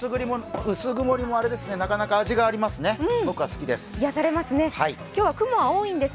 薄曇りもなかなか味がありますね、僕は好きです。